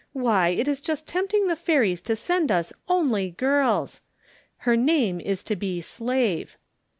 Why! it is just tempting the fairies to send us only girls. Her name is to be SLAVE."